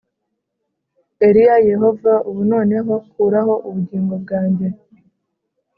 Eliya yehova ubu noneho kuraho ubugingo bwanjye